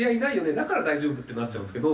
だから大丈夫ってなっちゃうんですけど。